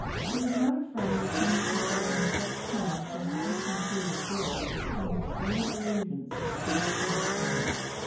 It was not a friend with whom she felt on such terms that her intimacy with Burr would furnish any allusions to her correspondence.